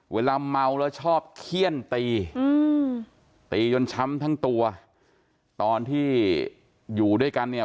เวลาเมาแล้วชอบเขี้ยนตีตีจนช้ำทั้งตัวตอนที่อยู่ด้วยกันเนี่ย